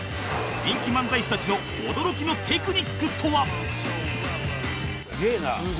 人気漫才師たちの驚きのテクニックとは？